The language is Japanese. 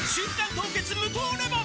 凍結無糖レモン」